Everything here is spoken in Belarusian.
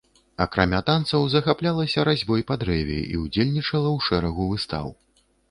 Акрамя танцаў захаплялася разьбой па дрэве і ўдзельнічала ў шэрагу выстаў.